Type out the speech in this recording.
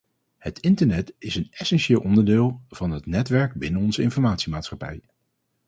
Het internet is een essentieel onderdeel van het netwerk binnen onze informatiemaatschappij.